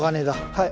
はい。